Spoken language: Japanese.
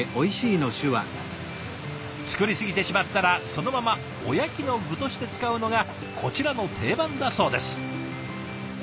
作り過ぎてしまったらそのままおやきの具として使うのがこちらの定番だそうです。